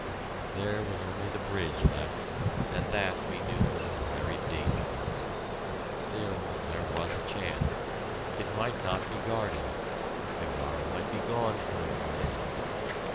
There was only the bridge left, and that, we knew, was very dangerous. Still, there was a chance. It might not be guarded the guard might be gone for a few minutes.